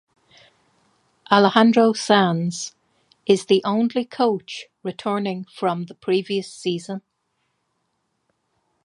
Alejandro Sanz is the only coach returning from the previous season.